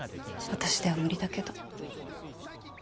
私では無理だけど。